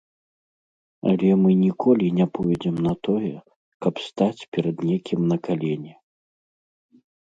Але мы ніколі не пойдзем на тое, каб стаць перад некім на калені.